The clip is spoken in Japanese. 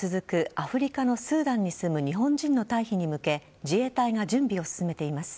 アフリカのスーダンに住む日本人の退避に向け自衛隊が準備を進めています。